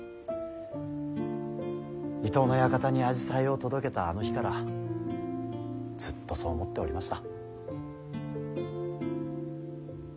伊東の館にアジサイを届けたあの日からずっとそう思っておりました。